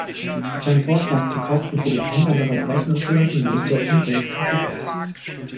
Sein Vorschlag, die „Kosten“ für die Einwanderer berechnen zu lassen, löste umgehend Kritik aus.